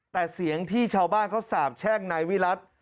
แต่เสียงที่ชาวบ้านเขาสาบแช่งนายวิรัติ